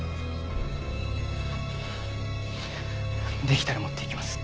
できたら持って行きます。